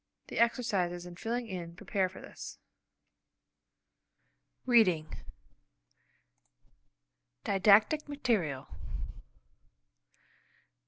(The exercises in filling in prepare for this.) READING Didactic Material.